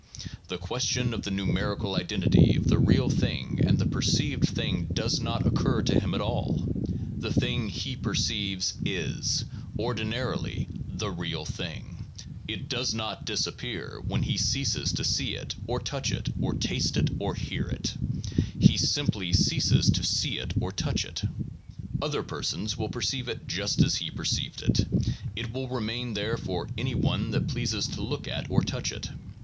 The question of the numerical identity of the real thing and the perceived thing does not occur to him at all; the thing he perceives is, ordinarily, the real thing: it does not disappear when lu ceases to see it or touch it or taste it or hear it; he simply ceases to see it or touch it. Other persons will perceive it just as he perceived it; it will remain therefor any one that pleases to look at or touch it.